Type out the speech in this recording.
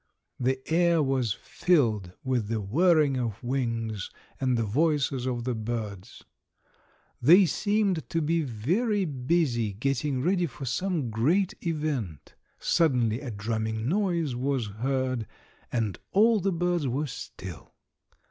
The air was filled with the whirring of wings and the voices of the birds. They seemed to be very busy getting ready for some great event. Suddenly a drumming noise was heard and all the birds were still.